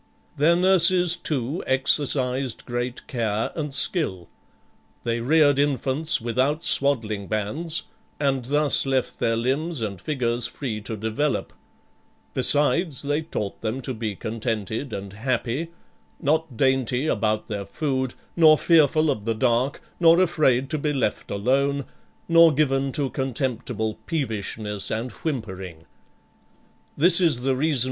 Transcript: Their nurses, too, exercised great care and skill; they reared infants without swaddling bands, and thus left their limbs and figures free to develop; besides, they taught them to be contented and happy, not dainty about their food, nor fearful of the dark, nor afraid to be left alone, 255 PLUTARCH'S LIVES ἄπειρα δυσκολίας ἀγεννοῦς καὶ κλαυθμυρισμῶν.